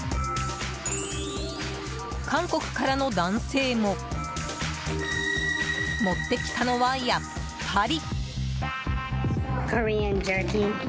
韓国からの男性も持ってきたのはやっぱり。